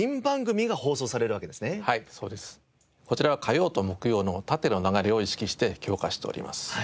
はいそうです。こちらは火曜と木曜の縦の流れを意識して強化しております。